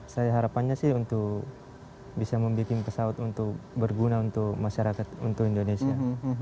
saya harapannya sih untuk bisa membuat pesawat untuk berguna untuk masyarakat untuk indonesia